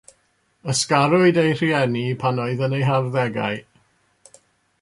Ysgarwyd ei rhieni pan oedd yn ei harddegau.